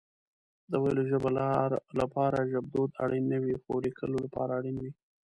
د ويلو ژبه لپاره ژبدود اړين نه وي خو ليکلو لپاره اړين وي